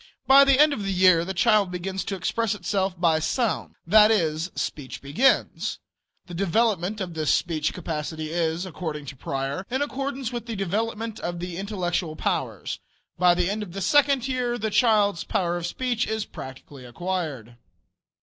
By the end of the year the child begins to express itself by sounds that is, speech begins. The development of this speech capacity is, according to Preyer, in accordance with the development of the intellectual powers. By the end of the second year the child's power of speech is practically acquired.